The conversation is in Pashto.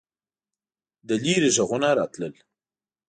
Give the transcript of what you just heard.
له لیرې غږونه راتلل.